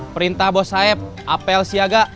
perintah bos sayap apel siaga